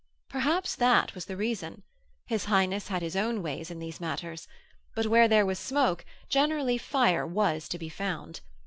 Perhaps that was the reason. His Highness had his own ways in these matters: but where there was smoke, generally fire was to be found.